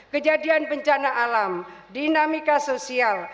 kejadian bencana alam dinamika sosial